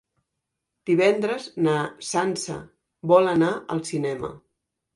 Divendres na Sança vol anar al cinema.